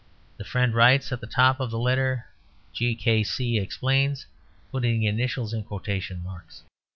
The friend writes at the top of the letter "'G. K. C.' Explains," putting the initials in quotation marks.